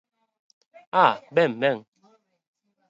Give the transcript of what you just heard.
¡Ah! ben, ben.